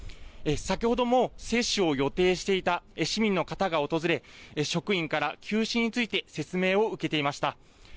先ほども接種を予定していた市民の方が訪れ、職員から休止について説明を受けていました。